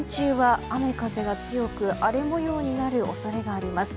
木曜日の午前中は雨風が強く荒れ模様になる恐れがあります。